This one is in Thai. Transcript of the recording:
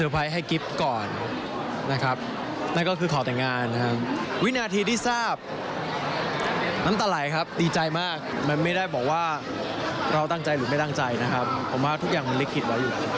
เพราะถึงว่าทุกอย่างมันลิขต์ไว้อยู่